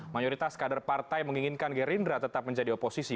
mayoritas kader partai menginginkan gerindra tetap menjadi oposisi